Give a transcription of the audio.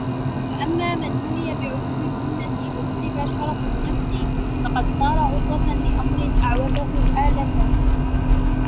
فَأَمَّا مَنْ مُنِيَ بِعُلُوِّ الْهِمَّةِ وَسُلِبَ شَرَفُ النَّفْسِ فَقَدْ صَارَ عُرْضَةً لِأَمْرٍ أَعْوَزَتْهُ آلَتُهُ